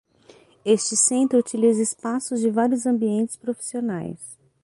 Este centro utiliza espaços de vários ambientes profissionais.